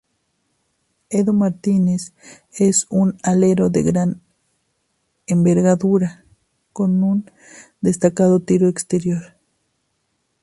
Edu Martínez es un alero de gran envergadura con un destacado tiro exterior.